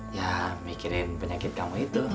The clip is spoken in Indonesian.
ya mikirin penyakit kamu itu